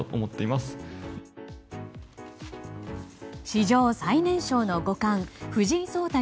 史上最年少の五冠藤井聡太